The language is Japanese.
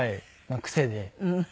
癖で。